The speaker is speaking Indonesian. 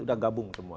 sudah gabung semua